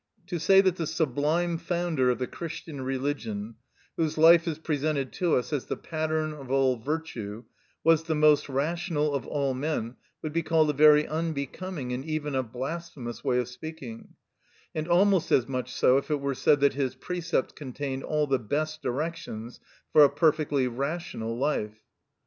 To say that the sublime founder of the Christian religion, whose life is presented to us as the pattern of all virtue, was the most rational of all men would be called a very unbecoming and even a blasphemous way of speaking; and almost as much so if it were said that His precepts contained all the best directions for a perfectly rational life.